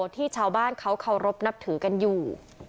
ที่ชาวบ้านเขาเคารพนับถือกันอยู่